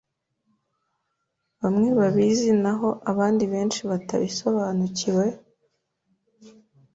bamwe babizi naho abandi benshi batabisobanukiwe,